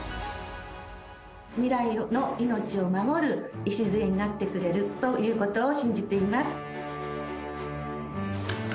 未来の命を守る礎になってくれるということを信じています。